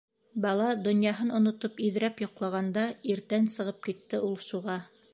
Бала донъяһын онотоп иҙрәп йоҡлағанда иртән сығып китте ул шуға.